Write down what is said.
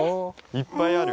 いっぱいある。